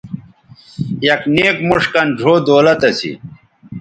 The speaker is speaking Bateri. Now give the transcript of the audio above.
یک نیک موݜ کَن ڙھؤ دولت اسی